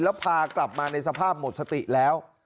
แล้วพากลับมาในสภาพหมดสติแล้ว